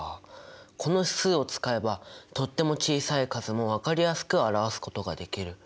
この指数を使えばとっても小さい数も分かりやすく表すことができる。